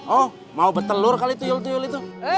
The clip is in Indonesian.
oh mau bertelur kali tuyul tuyul itu